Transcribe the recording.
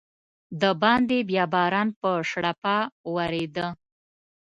دباندې بیا باران په شړپا ورېده.